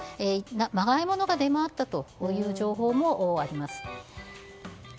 まがいものが出回ったという情報もあります。